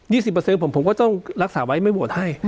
๒๐ของผมผมก็ต้องรักษาไว้ไม่โหวนให้